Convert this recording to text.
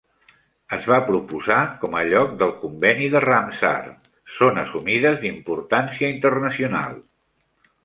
Es va proposar com a "lloc del Conveni de Ramsar - Zones humides d'importància internacional".